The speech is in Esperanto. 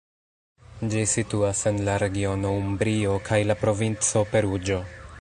Ĝi situas en la regiono Umbrio kaj la provinco Peruĝo.